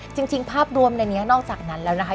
จริงภาพรวมในนี้นอกจากนั้นแล้วนะคะ